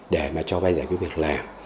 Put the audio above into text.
để mà cho vay ra cái việc làm